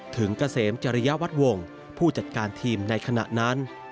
ถึงกระเสมจริยาวัดวงค์ผู้จัดการทีมในขณะนั้น